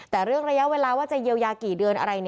แต่เรื่องระยะเวลาว่าจะเยียวยากี่เดือนอะไร